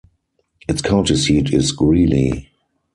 Its county seat is Greeley.